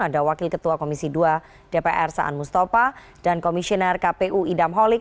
ada wakil ketua komisi dua dpr saan mustafa dan komisioner kpu idam holik